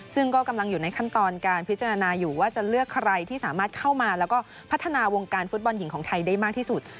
ซึ่งก็กำลังอยู่ในขั้นตอนการพิจารณาอยู่ว่าจะเลือกใครที่สามารถเข้ามาแล้วก็พัฒนาวงการฟุตบอลหญิงของไทยได้มากที่สุด